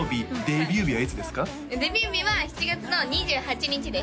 デビュー日は７月の２８日です